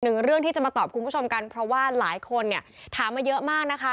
หนึ่งเรื่องที่จะมาตอบคุณผู้ชมกันเพราะว่าหลายคนเนี่ยถามมาเยอะมากนะคะ